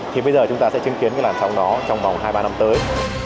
thì bây giờ chúng ta sẽ chứng kiến làm sao đó trong vòng hai ba năm tới